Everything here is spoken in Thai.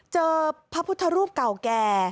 พระพุทธรูปเก่าแก่